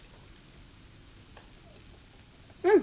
うん！